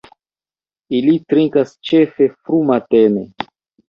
Ili trinkas ĉefe frumatene.